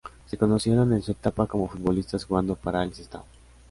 Se conocieron en su etapa como futbolistas jugando para el Sestao.